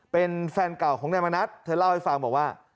เป็นแฟนเก่าของนายมณัฐเธอเล่าให้ฟังบอกว่า